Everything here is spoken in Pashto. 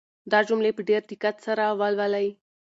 دا جملې په ډېر دقت سره ولولئ.